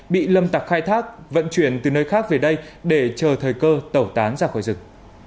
bị lâm tặc khai thác vận chuyển từ nơi khác về đây để chờ thời cơ tẩu tán ra khỏi rừng